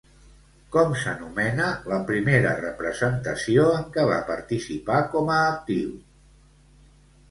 Com s'anomena la primera representació en què va participar com a actiu?